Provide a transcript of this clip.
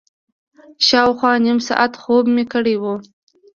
شاوخوا نیم ساعت خوب مې کړی و.